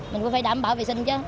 mình có phải đảm bảo vệ sinh chứ